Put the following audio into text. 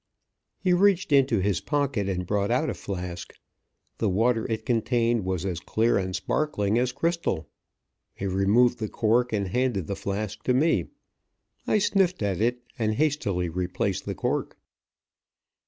He reached into his pocket, and brought out a flask. The water it contained was as clear and sparkling as crystal. He removed the cork, and handed the flask to me. I sniffed at it, and hastily replaced the cork.